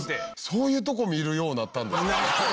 そういうとこ見るようになったんですか？